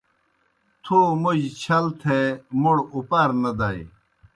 تھو موْجیْ چھل تھے موْڑ اُپار نہ دائے۔